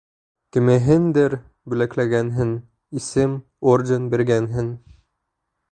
Кемеһендер бүләкләгәнһең, исем, орден биргәнһең.